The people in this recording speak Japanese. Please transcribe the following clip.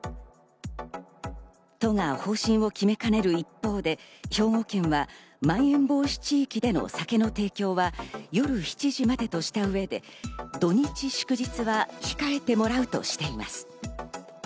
都が方針を決めかねる一方で、兵庫県は、まん延防止地域での酒の提供は夜７時までとした上で、土・日・祝日は控えてもらうとしています。